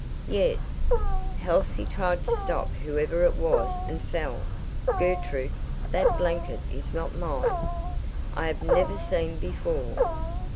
"Yes. Halsey tried to stop whoever it was and fell. Gertrude, that blanket is not mine. I have never seen before."